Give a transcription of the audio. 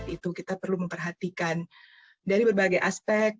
itu kita perlu memperhatikan dari berbagai aspek